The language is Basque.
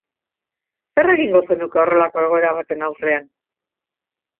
Zer egingo zenuke horrelako egoera baten aurrean?